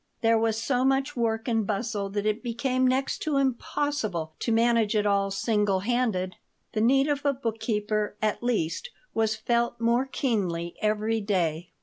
There was so much work and bustle that it became next to impossible to manage it all single handed. The need of a bookkeeper, at least, was felt more keenly every day.